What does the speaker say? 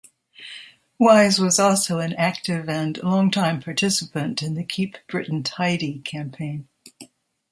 Wise was also an active and long-time participant in the Keep Britain Tidy campaign.